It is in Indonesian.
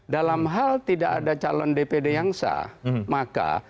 dalam hal tidak ada calon dpd yang sah maka